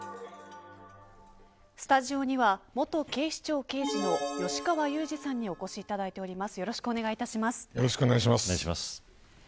スタジオには元警視庁刑事の吉川祐二さんにお越しいただいています。